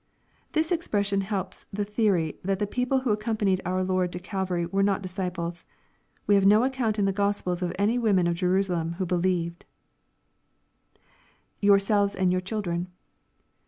] This expression helps the theory that the people who accompanied our Lord to Calvary were not" disciples. We have no account in the Gospels of any women of Jerusalem who believed, [ Yourselves and your children.